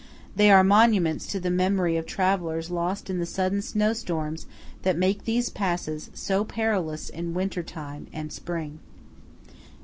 They are monuments to the memory of travellers lost in the sudden snow storms that make these passes so perilous in winter time and spring.